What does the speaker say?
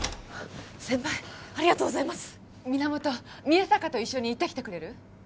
先輩ありがとうございます源宮坂と一緒に行ってきてくれる？